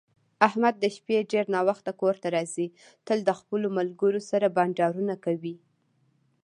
احمد د شپې ډېر ناوخته کورته راځي، تل د خپلو ملگرو سره بنډارونه کوي.